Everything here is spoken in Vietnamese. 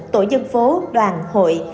tổ dân phố đoàn hội